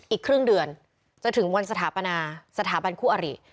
อีกครึ่งเดือนจะถึงวันสถาปนาสถาบันคู่อริ